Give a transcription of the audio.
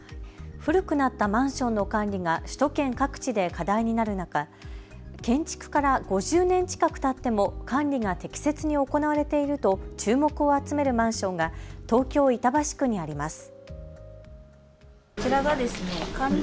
古くなったマンションの管理が首都圏各地で課題になる中、建築から５０年近くたっても管理が適切に行われていると注目を集めるマンションが東京板橋区にあります。